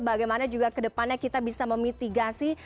bagaimana juga ke depannya kita bisa memitigasi